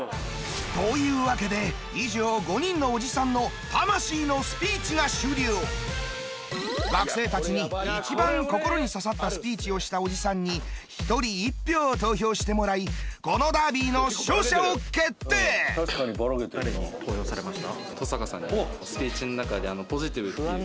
というわけで以上５人のおじさんの学生たちに一番心に刺さったスピーチをしたおじさんに１人１票を投票してもらいこのダービーの勝者を決定。と思いました。